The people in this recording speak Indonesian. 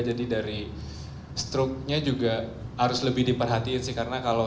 jadi dari stroke nya juga harus lebih diperhatikan sih